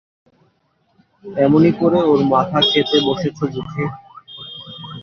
এমনি করে ওর মাথা খেতে বসেছ বুঝি?